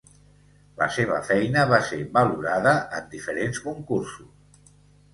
La seva feina va ser valorada en diferents concursos.